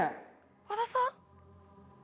和田さん？